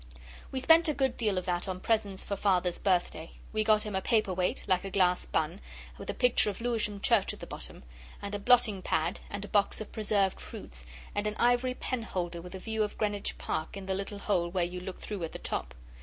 We spent a good deal of that on presents for Father's birthday. We got him a paper weight, like a glass bun, with a picture of Lewisham Church at the bottom; and a blotting pad, and a box of preserved fruits, and an ivory penholder with a view of Greenwich Park in the little hole where you look through at the top.